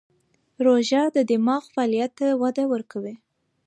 روژه د دماغ فعالیت ته وده ورکوي.